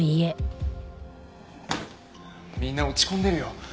みんな落ち込んでるよ。